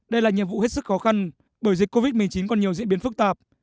đây là nhiệm vụ hết sức khó khăn bởi dịch covid một mươi chín còn nhiều diễn biến phức tạp